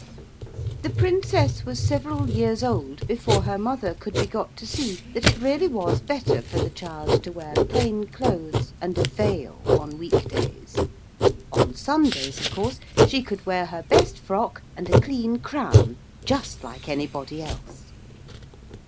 The Princess was several years old before her mother could be got to see that it really was better for the child to wear plain clothes and a veil on week days. On Sundays, of course she could wear her best frock and a clean crown just like anybody else.